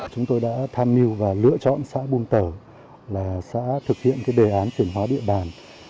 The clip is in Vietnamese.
chúng tôi đã tham mưu và lựa chọn xã buôn tẩu là xã thực hiện đề án chuyển hóa địa bàn